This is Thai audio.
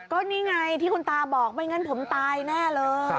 ก็นี่ไงที่คุณตาบอกไม่งั้นผมตายแน่เลย